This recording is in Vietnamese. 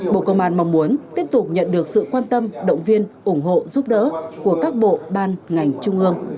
bộ công an mong muốn tiếp tục nhận được sự quan tâm động viên ủng hộ giúp đỡ của các bộ ban ngành trung ương